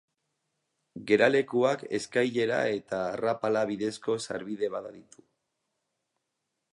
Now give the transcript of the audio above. Geralekuak eskailera eta arrapala bidezko sarbide bada ditu.